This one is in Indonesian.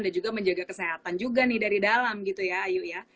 dan juga menjaga kesehatan juga nih dari dalam gitu ya ayu ya